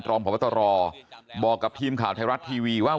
รองพบตรบอกกับทีมข่าวไทยรัฐทีวีว่า